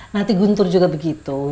nanti guntur juga begitu